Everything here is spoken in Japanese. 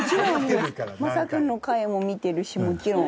マサ君の回も見てるしもちろん。